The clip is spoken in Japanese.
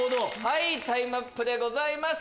タイムアップでございます